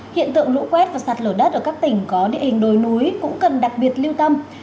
hiện tượng lũ quét và sạt lở đất ở các tỉnh có địa hình đồi núi cũng cần đặc biệt lưu tâm